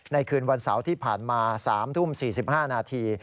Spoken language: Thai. คืนวันเสาร์ที่ผ่านมา๓ทุ่ม๔๕นาที